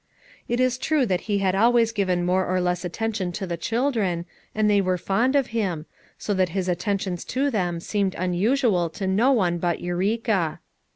It is true that he had always given more or less attention to the children, and they were fond of him; so that his attentions to FOUE MOTHEBS AT CHAUTAUQUA 321 them seemed unusual to no one but Eureka.